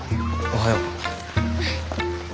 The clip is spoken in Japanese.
おはよう。